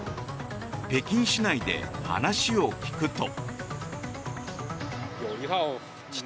北京市内で話を聞くと。